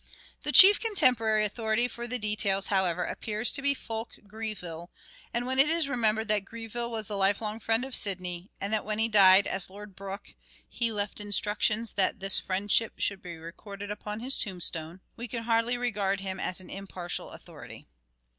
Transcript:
The chief contemporary authority for the details, however, appears to be Fulke Greville, and when it is remembered that Greville was the life long friend of Sidney, and that when he died, as Lord Brooke, he left instructions that this friendship should be recorded upon his tombstone, we can hardly regard him as an impartial authority.